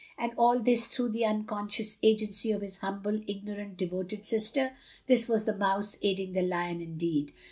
And all this through the unconscious agency of his humble, ignorant, devoted sister. This was the mouse aiding the lion indeed.